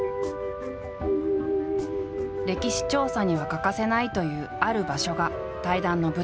歴史調査には欠かせないというある場所が対談の舞台。